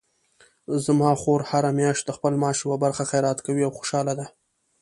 زما خور هره میاشت د خپل معاش یوه برخه خیرات کوي او خوشحاله ده